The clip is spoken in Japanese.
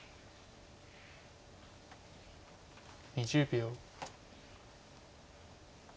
２０秒。